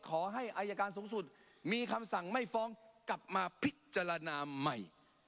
ขอให้อายการสูงสุดมีคำสั่งไม่ฟ้องกลับมาพิจารณาใหม่